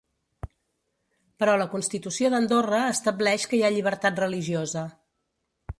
Però la constitució d'Andorra estableix que hi ha llibertat religiosa.